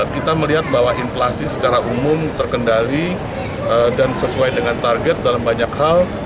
kita melihat bahwa inflasi secara umum terkendali dan sesuai dengan target dalam banyak hal